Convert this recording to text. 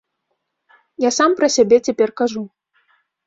Я сам пра сябе цяпер кажу.